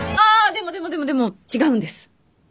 でもでもでもでも違うんです。